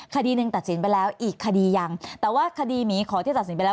คดีหนึ่งตัดสินไปแล้วอีกคดียังแต่ว่าคดีหมีขอที่ตัดสินไปแล้ว